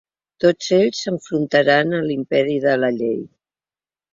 Tots ells s’enfrontaran a l’imperi de la llei.